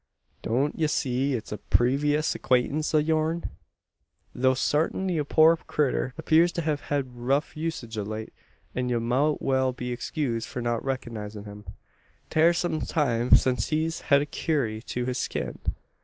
Don't ye see it's a preevious acquaintance o' yourn; though sarting the poor critter appears to hev hed rough usage o' late; an ye mout well be excused for not reconisin' him. 'Tair some time since he's hed a curry to his skin."